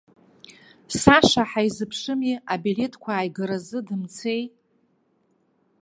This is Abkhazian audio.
Саша ҳаизыԥшыми, абилеҭқәа ааигаразы дымцеи.